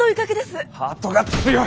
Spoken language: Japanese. ハートが強い！